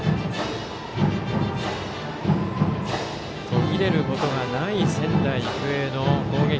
途切れることがない仙台育英の攻撃。